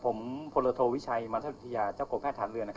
ผมพลโทวิชัยมทรภิทยาเจ้ากรแค่ะธาตุเรือ